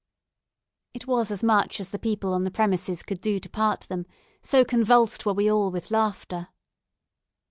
It was as much as the people on the premises could do to part them, so convulsed were we all with laughter.